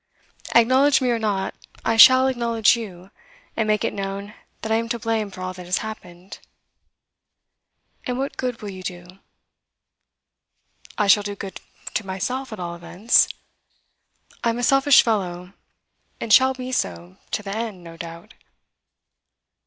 Acknowledge me or not, I shall acknowledge you, and make it known that I am to blame for all that has happened.' 'And what good will you do?' 'I shall do good to myself, at all events. I'm a selfish fellow, and shall be so to the end, no doubt.